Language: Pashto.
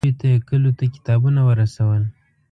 دوی ته یې کلیو ته کتابونه ورسول.